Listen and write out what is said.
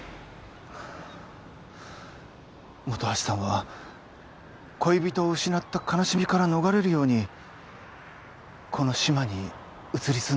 本橋さんは恋人を失った悲しみから逃れるようにこの志摩に移り住んだんですね？